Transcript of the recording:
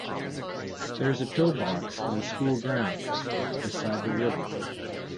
There is a pillbox on the school grounds, beside the river.